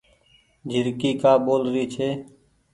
جهرڪي ڪآ ٻول رهي ڇي۔